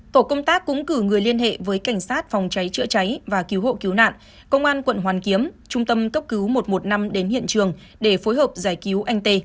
tổ công tác cũng cử người liên hệ với cảnh sát phòng cháy chữa cháy và cứu hộ cứu nạn công an quận hoàn kiếm trung tâm cấp cứu một trăm một mươi năm đến hiện trường để phối hợp giải cứu anh tê